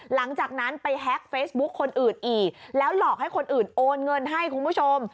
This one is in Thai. หลังจากนั้นไปแฮ็กเฟซบุ๊คคนอื่นอีกแล้วหลอกให้คนอื่นโอนเงินให้คุณผู้ชม